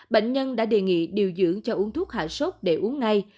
bệnh nhân đã đề nghị điều dưỡng cho uống thuốc hạ sốt để uống ngay